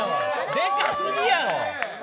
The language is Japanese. でかすぎやろ！